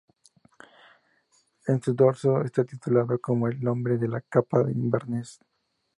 En su dorso está titulado como "El hombre de la capa de Inverness.